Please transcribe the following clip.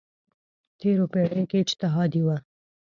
تېرو پېړیو کې اجتهادي وه.